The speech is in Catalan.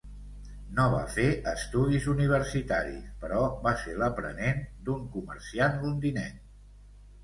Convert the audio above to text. No va fer estudis universitaris, però va ser l'aprenent d'un comerciant londinenc.